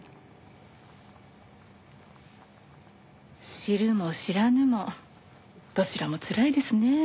知るも知らぬもどちらもつらいですね。